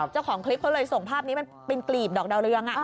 เจ้าของคลิปเขาเลยส่งภาพนี้มันเป็นกลีบดอกดาวเรือง